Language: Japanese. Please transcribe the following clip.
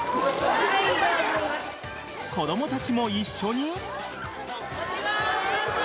子供たちも一緒に。